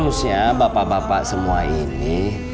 bersyukur berterima kasih udah dimakamkan